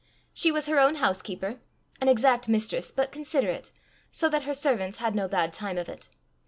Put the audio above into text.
She was her own housekeeper, an exact mistress, but considerate, so that her servants had no bad time of it.